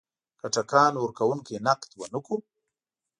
که ټکان ورکونکی نقد ونه کړو.